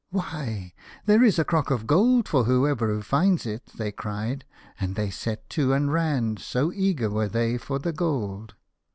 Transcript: " Why ! there is a crock of gold for whoever finds it," they cried, and they set to and ran, so eager were they for the gold.